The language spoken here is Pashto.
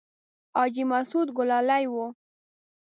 حاجي مسعود ګلالی و.